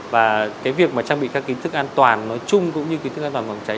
và cái việc mà trang bị các kiến thức an toàn nói chung cũng như kiến thức an toàn phòng cháy